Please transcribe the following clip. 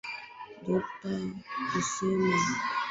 Dokta Hussein Ali Mwinyi ameahidi kuijenga Zanzibar mpya